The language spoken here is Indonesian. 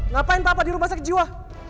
ngapain papa di rumah sakit jiwa